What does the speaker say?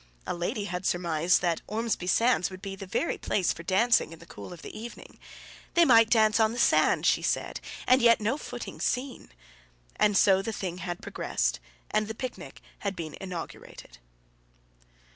A lady had surmised that Ormesby sands would be the very place for dancing in the cool of the evening. They might "Dance on the sand," she said, "and yet no footing seen." And so the thing had progressed, and the picnic been inaugurated.